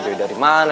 enjoy dari mana